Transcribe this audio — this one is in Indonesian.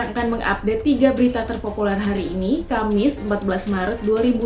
akan mengupdate tiga berita terpopuler hari ini kamis empat belas maret dua ribu dua puluh